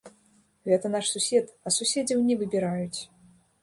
Гэта наш сусед, а суседзяў не выбіраюць!